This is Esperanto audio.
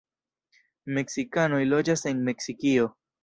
Meksikanoj loĝas en Meksikio.